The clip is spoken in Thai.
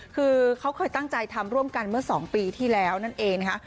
คือเขาเคยตั้งใจทำร่วมกันเมื่อ๒ปีที่แล้วนั่นเองนะคะ